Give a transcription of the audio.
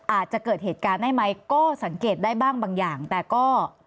อาจจะเกิดเหตุการณ์ได้ไหมก็สังเกตได้บ้างบางอย่างแต่ก็